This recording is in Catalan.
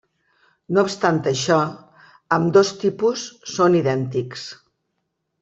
No obstant això, ambdós tipus són idèntics.